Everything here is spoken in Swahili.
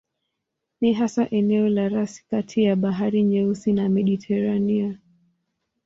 Ni hasa eneo la rasi kati ya Bahari Nyeusi na Mediteranea.